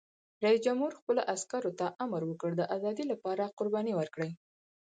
رئیس جمهور خپلو عسکرو ته امر وکړ؛ د ازادۍ لپاره قرباني ورکړئ!